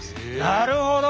なるほど。